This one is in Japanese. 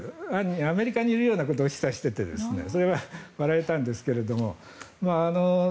アメリカにいるようなことを示唆していてそれは笑えたんですが。